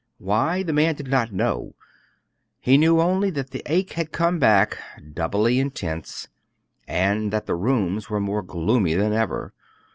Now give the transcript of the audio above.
Why, the man did not know. He knew only that the ache had come back, doubly intense, and that the rooms were more gloomy than ever.